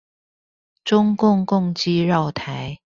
中共共機繞台